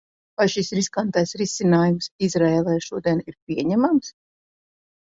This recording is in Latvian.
Vai šis riskantais risinājums Izraēlai šodien ir pieņemams?